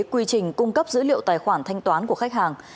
quy trình cung cấp dữ liệu tài khoản thanh toán của khách hàng